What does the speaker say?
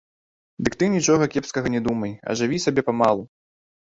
Дык ты нічога кепскага не думай, а жыві сабе памалу.